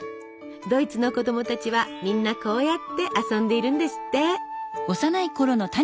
ドイツの子供たちはみんなこうやって遊んでいるんですって！